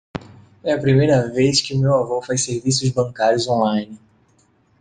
É a primeira vez que o meu avô faz serviços bancários online.